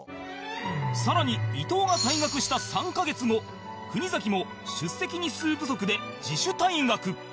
さらに伊藤が退学した３カ月後国崎も出席日数不足で自主退学